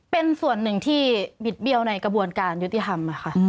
เป็นส่วนหนึ่งที่บิดเบี้ยวในกระบวนการยุติธรรมค่ะ